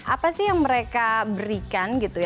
apa sih yang mereka berikan gitu ya